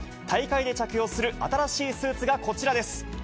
大会で着用する新しいスーツがこちらです。